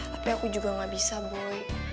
tapi aku juga gak bisa buy